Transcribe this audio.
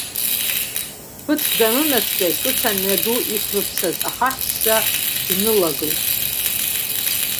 Ԥыҭк данынаскьа, ҿыц амҩаду иқәрыԥсаз ахаҳәсса днылагылт.